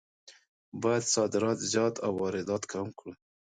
باید صادرات زیات او واردات کم کړو.